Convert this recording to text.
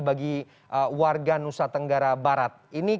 bagi warga nusa tenggara barat